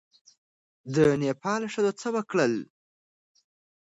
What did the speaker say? د نېپال ښځو څه وکړل؟